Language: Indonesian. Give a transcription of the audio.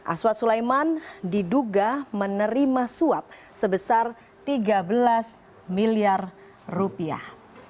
aswad sulaiman diduga menerima suap sebesar tiga belas miliar rupiah